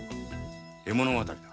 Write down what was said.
絵物語だ。